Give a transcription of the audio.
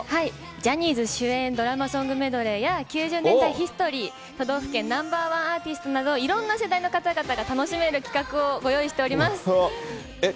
ジャニーズ主演ドラマソングメドレーや９０年代ヒストリー、都道府県ナンバー１アーティストなど、いろんな世代の方々が楽しめる企画をご用意してえっ？